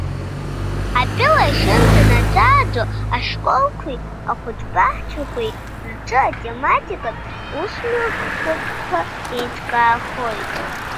Атәыла ахьынӡанаӡааӡо ашколқәеи ахәыҷбаҳчақәеи рҿы атематикатә усмҩаԥгатәқәа еиҿкаахоит.